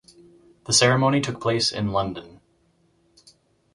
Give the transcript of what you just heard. The ceremony took place in London.